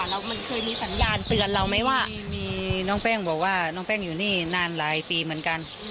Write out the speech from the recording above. แล้วมันเคยมีสัญญาณเตือนเราไหมว่ามีน้องแป้งบอกว่าน้องแป้งอยู่นี่นานหลายปีเหมือนกัน